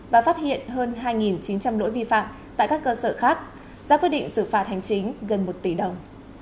và phát hiện hơn hai chín trăm linh lỗi vi phạm tại các cơ sở khác ra quyết định xử phạt hành chính gần một tỷ đồng